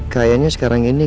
kayaknya sekarang ini